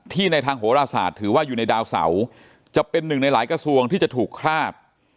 ในทางโหรศาสตร์ถือว่าอยู่ในดาวเสาจะเป็นหนึ่งในหลายกระทรวงที่จะถูกคราบ